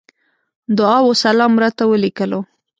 دعا وسلام راته وليکلو.